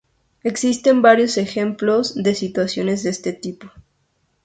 Existen varios ejemplos de situaciones de este tipo.